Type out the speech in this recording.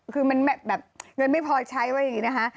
คือมันไม่พอใช้ว่าอย่างนี้นะคะ